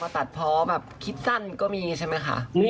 ตัดพอแบบคิดสั้นก็มีใช่มั้ยค่ะ